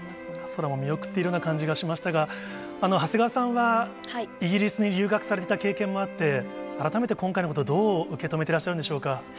空も見送っているような感じがしましたが、長谷川さんはイギリスに留学された経験もあって、改めて今回のこと、どう受け止めてらっしゃるんでしょうか。